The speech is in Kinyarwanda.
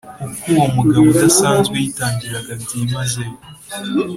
uko uwo mugabo udasanzwe yitangiraga byimazeyo